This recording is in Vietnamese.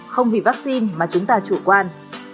không vì vaccine mà chúng ta chủ quan